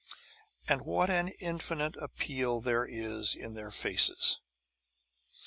And what an infinite appeal there is in their faces!